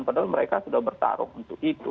padahal mereka sudah bertarung untuk itu